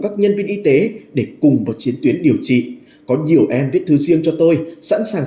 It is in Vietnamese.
các nhân viên y tế để cùng vào chiến tuyến điều trị có nhiều em viết thư riêng cho tôi sẵn sàng